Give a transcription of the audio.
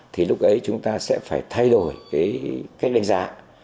thì lúc ấy chúng ta sẽ phải thay đổi cái cách đánh giá